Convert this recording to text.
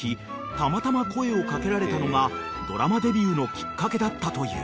たまたま声を掛けられたのがドラマデビューのきっかけだったという］